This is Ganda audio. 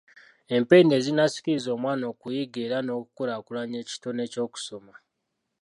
Empenda ezinaasikiriza omwana okuyiga era n’okukulaakulanya ekitone ky’okusoma.